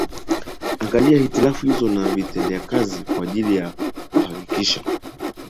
ngalia hitilafu hizo za vitendea kazi kwa ajili ya kuhakikisha